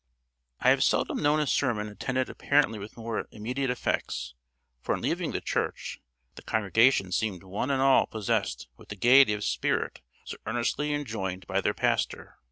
I have seldom known a sermon attended apparently with more immediate effects; for on leaving the church the congregation seemed one and all possessed with the gaiety of spirit so earnestly enjoined by their pastor.